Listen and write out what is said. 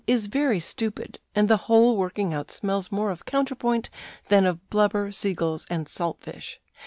is very stupid, and the whole working out smells more of counterpoint than of blubber, sea gulls, and salt fish."